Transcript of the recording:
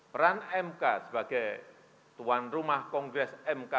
peran mk sebagai tuan rumah kongres mk